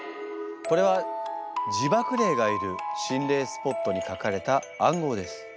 これは地縛霊がいる心霊スポットに書かれた暗号です。